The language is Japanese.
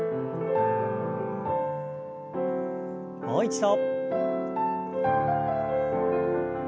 もう一度。